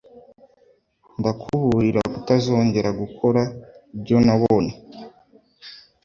Ndakuburira kutazongera gukora ibyo nabonye.